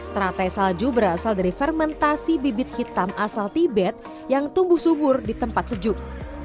teratai salju berasal dari fermentasi bibit hitam asal tibet yang tumbuh subur di tempat sejuk